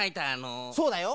そうだよ。